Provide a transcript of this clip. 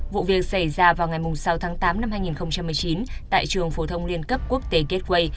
vụ việc xảy ra vào ngày sáu tháng tám năm hai nghìn một mươi chín tại trường phổ thông liên cấp quốc tế gateway